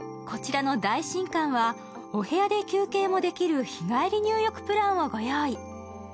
こちらの大進館はお部屋で休憩できる日帰り入浴プランをご用意。